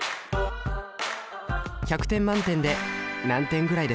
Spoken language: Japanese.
１００点満点で何点ぐらいですか？